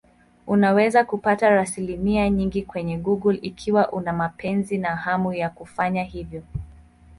Unaweza kupata rasilimali nyingi kwenye Google ikiwa una mapenzi na hamu ya kufanya hivyo.